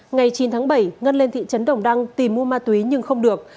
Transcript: ngày chín tháng bảy ngân lên thị trấn đồng đăng tìm mua ma túy nhưng không được